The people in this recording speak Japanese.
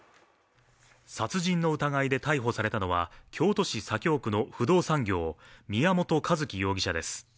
殺人の疑いで逮捕されたのは、京都市左京区の不動産業、宮本一希容疑者です。